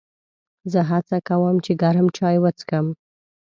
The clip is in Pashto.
زه هڅه کوم چې ګرم چای وڅښم.